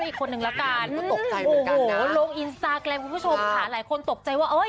อีกภาพนี้